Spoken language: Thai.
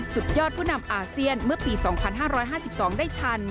สุดยอดผู้นำอาเซียนเมื่อปี๒๕๕๒ได้ทัน